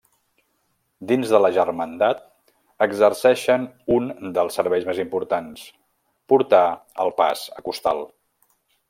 Dins de la germandat exerceixen un dels serveis més importants: portar el pas a costal.